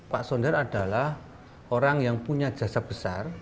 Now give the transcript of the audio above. pak sondar adalah orang yang punya jasa besar